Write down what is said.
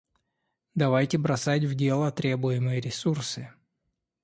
Давайте бросать в дело требуемые ресурсы.